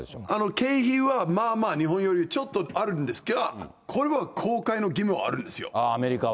経費はまあまあ、日本よりちょっとあるんですけど、これは公開の義務はあるんですよ。